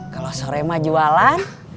kalau sore mah jualan